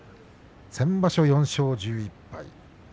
先場所４勝１１敗